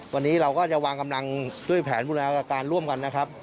วันนี้เราก็จะวางกำลังด้วยแผนบูรณาการร่วมกันนะครับ